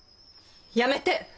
やめて！